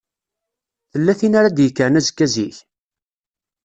Tella tin ara d-yekkren azekka zik?